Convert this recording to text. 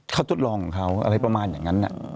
เขาทดลองของเขาอะไรประมาณอย่างนั้น